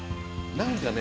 何かね。